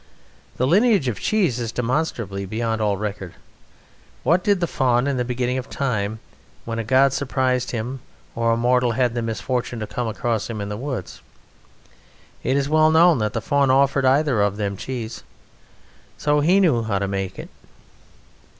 The lineage of cheese is demonstrably beyond all record. What did the faun in the beginning of time when a god surprised him or a mortal had the misfortune to come across him in the woods? It is well known that the faun offered either of them cheese. So he knew how to make it.